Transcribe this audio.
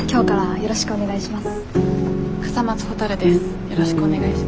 よろしくお願いします。